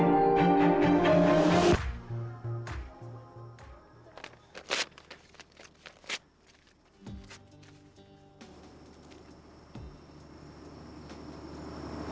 lo akan tau akibatnya